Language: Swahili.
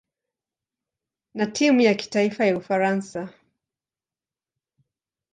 na timu ya kitaifa ya Ufaransa.